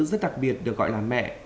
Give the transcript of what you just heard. rất đặc biệt được gọi là mẹ